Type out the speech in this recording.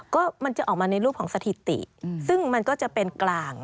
ก็มันจะออกมาในรูปของสถิติซึ่งมันก็จะเป็นกลาง